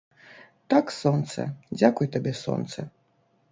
Так, сонца, дзякуй табе, сонца!